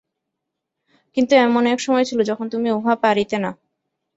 কিন্তু এমন এক সময় ছিল, যখন তুমি উহা পারিতে না।